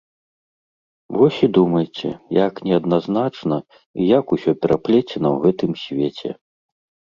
Вось і думайце, як неадназначна і як усё пераплецена ў гэтым свеце!